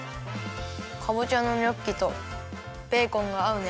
かぼちゃのニョッキとベーコンがあうね。